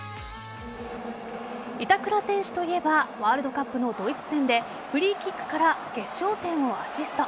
板倉選手といえばワールドカップのドイツ戦でフリーキックから決勝点をアシスト。